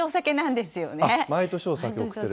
毎年お酒を贈る。